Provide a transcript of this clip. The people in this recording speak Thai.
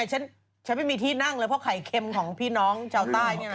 ฉันไม่มีที่นั่งเลยเพราะไข่เค็มของพี่น้องชาวใต้